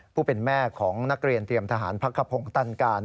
ผู้เป็นแม่ของนักเรียนเตรียมทหารพักขพงศ์ตันการ